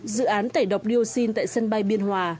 dự án tẩy độc dioxin tại sân bay biên hòa